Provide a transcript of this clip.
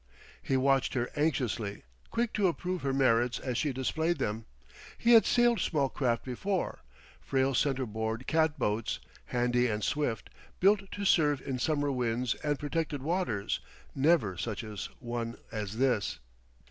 He watched her anxiously, quick to approve her merits as she displayed them. He had sailed small craft before frail center board cat boats, handy and swift, built to serve in summer winds and protected waters: never such an one as this.